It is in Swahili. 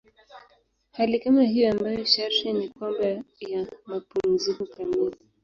Hali kama hiyo ambayo sharti ni kwamba ya mapumziko kamili.